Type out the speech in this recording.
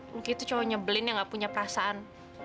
lucky tuh cowok nyebelin yang nggak punya perasaan